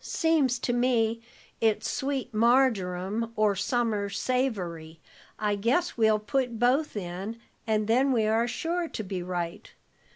"Seems to me it's sweet marjoram or summer savory. I guess we'll put both in, and then we are sure to be right.